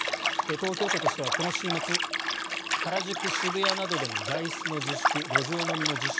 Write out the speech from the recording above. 東京都としてはこの週末原宿、渋谷などでの外出自粛、路上飲みの自粛